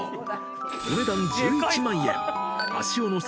お値段１１万円。